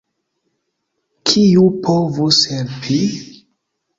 Kiu povus helpi?